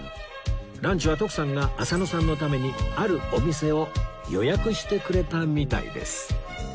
ランチは徳さんが浅野さんのためにあるお店を予約してくれたみたいです